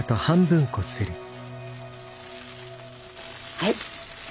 はい。